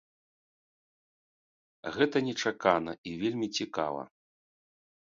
Гэта нечакана і вельмі цікава.